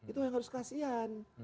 itu yang harus kasihan